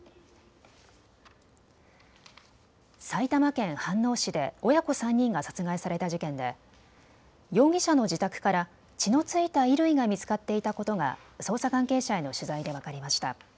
埼玉県飯能市で親子３人が殺害された事件で容疑者の自宅から血の付いた衣類が見つかっていたことが捜査関係者への取材で分かりました。